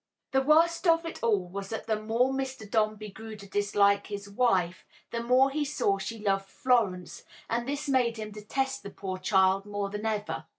The worst of it all was that the more Mr. Dombey grew to dislike his wife the more he saw she loved Florence, and this made him detest the poor child more than ever.